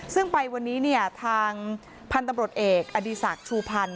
ซึ่งไปวันนี้เนี่ยทางพันธุ์ตำรวจเอกอดีศักดิ์ชูพันธ์